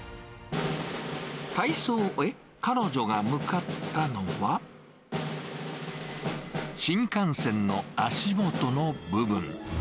体操を終え、彼女が向かったのは、新幹線の足元の部分。